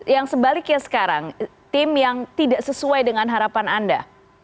yang sebaliknya sekarang tim yang tidak sesuai dengan harapan anda